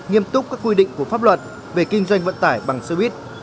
tiếp tục các quy định của pháp luật về kinh doanh vận tải bằng xe buýt